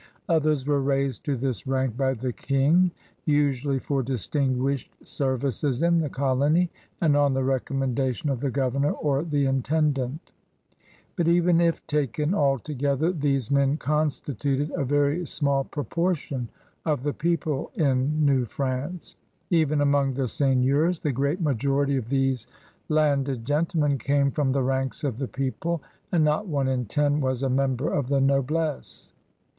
Others were raised to this rank by the ICing, usually for distinguished services in the colony and on the recommendation of the governor or the intendant. But, even if taken all together, these men constituted a very smaQ proportion of the people in New France. Even among the seigneurs the great majority of these landed gentl^nen came from the ranks of the people, and not one in t^i was a member of the noblesse.